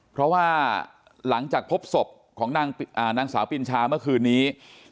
เพราะว่าหลังจากพบศพของนางสาวปินชาเมื่อคืนนี้